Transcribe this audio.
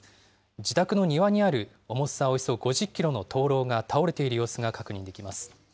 自宅の庭にある重さおよそ５０キロの灯籠が倒れている様子が確認できます。